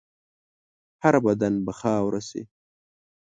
هر بدن به خاوره شي.